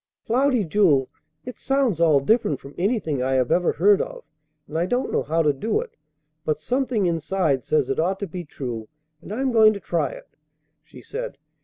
"Cloudy Jewel, it sounds all different from anything I ever heard of, and I don't know how to do it; but something inside says it ought to be true, and I'm going to try it!" she said.